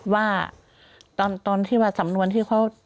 ว่าตอนที่ว่าสำนวนที่เขา